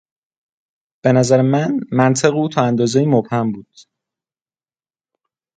به نظر من منطق او تا اندازهای مبهم بود.